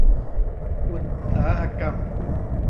อุตสาหกรรม